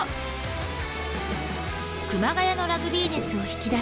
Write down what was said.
熊谷のラグビー熱を引き出し